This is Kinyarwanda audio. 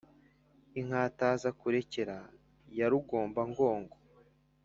Inkatazakurekera ya Rugombangogo